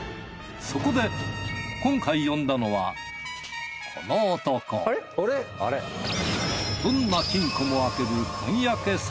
そこで今回呼んだのはこの男どんな金庫も開ける鍵開け